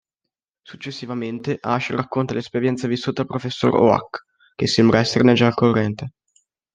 Successivamente Ash racconta l'esperienza vissuta al Professor Oak, che sembra esserne già al corrente.